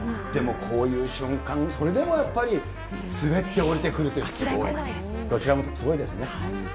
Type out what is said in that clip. でもこういう瞬間、それでもやっぱり、滑って下りてくるって、どちらもすごいですね。